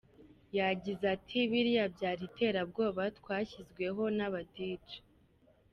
Yagize ati “Biriya byari iterabwoba twashyizweho n’aba-Dj”.